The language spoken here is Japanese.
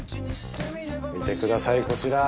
見てくださいこちら。